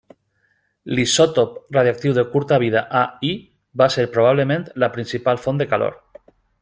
L'isòtop radioactiu de curta vida Al va ser probablement la principal font de calor.